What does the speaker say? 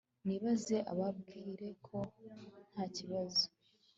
nibaze ababwire ko ntakibazo